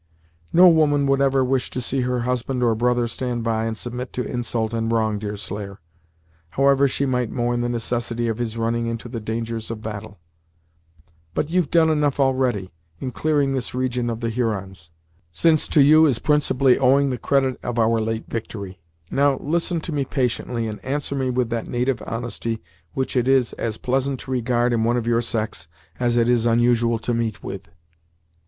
"No woman would ever wish to see her husband or brother stand by and submit to insult and wrong, Deerslayer, however she might mourn the necessity of his running into the dangers of battle. But, you've done enough already, in clearing this region of the Hurons; since to you is principally owing the credit of our late victory. Now, listen to me patiently, and answer me with that native honesty, which it is as pleasant to regard in one of your sex, as it is unusual to meet with."